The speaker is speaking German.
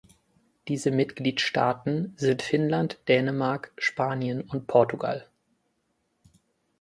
Diese Mitgliedstaaten sind Finnland, Dänemark, Spanien und Portugal.